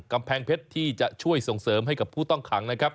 กำแพงเพชรที่จะช่วยส่งเสริมให้กับผู้ต้องขังนะครับ